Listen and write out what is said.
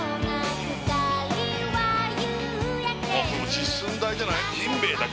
実寸大じゃない？